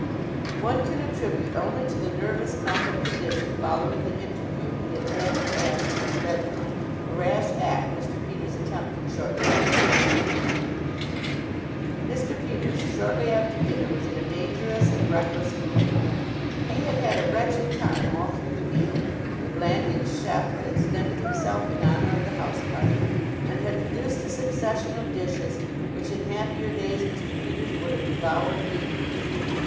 One can attribute only to the nervous mental condition following the interview he had had with Ashe in his bedroom the rash act Mr. Peters attempted shortly after dinner. Mr. Peters, shortly after dinner, was in a dangerous and reckless mood. He had had a wretched time all through the meal. The Blandings chef had extended himself in honor of the house party, and had produced a succession of dishes, which in happier days Mr. Peters would have devoured eagerly.